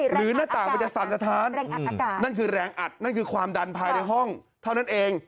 หน้าต่างมันจะสั่นสะท้านแรงอัดอากาศนั่นคือแรงอัดนั่นคือความดันภายในห้องเท่านั้นเอง